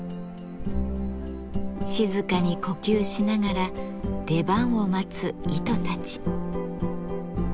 静かに呼吸しながら出番を待つ糸たち。